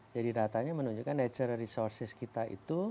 jadi datanya menunjukkan natural resources kita itu